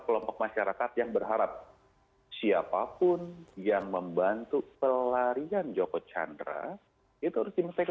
kelompok masyarakat yang berharap siapapun yang membantu pelarian joko chandra itu harus dimsek